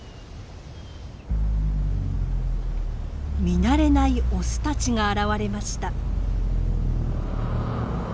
見慣れないオスたちが現れました。